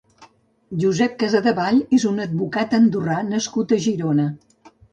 Josep Casadevall és un advocat andorrà nascut a Girona.